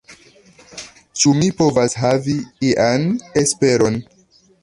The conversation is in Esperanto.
Ĉu mi povas havi ian esperon?